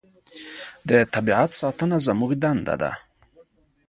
د طبیعت ساتنه زموږ دنده ده.